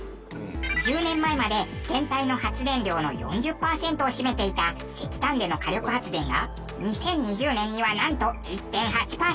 １０年前まで全体の発電量の４０パーセントを占めていた石炭での火力発電が２０２０年にはなんと１．８パーセント。